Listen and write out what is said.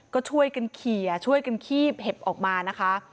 ก็ช่วยกันเขียบเห็บออกมานะคะ